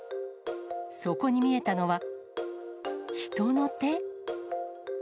そこに見えたのは、人の手。